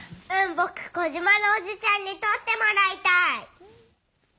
ぼくコジマのおじちゃんにとってもらいたい。